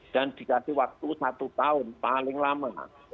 dan dikasih waktu satu tahun paling lama